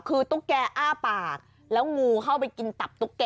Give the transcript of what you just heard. คือตุ๊กแกอ้าปากแล้วงูเข้าไปกินตับตุ๊กแก